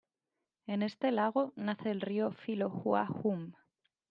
En este lago nace el río Filo Hua Hum.